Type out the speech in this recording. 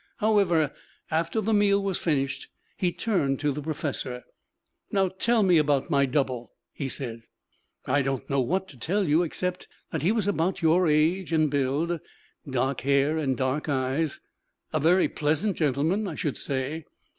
However, after the meal was finished he turned to the professor. "Now tell me about my double," he said. "I don't know what to tell you except that he was about your age and build, dark hair and dark eyes, a very pleasant gentleman, I should say."